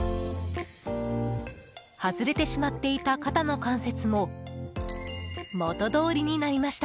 外れてしまっていた肩の関節も元どおりになりました。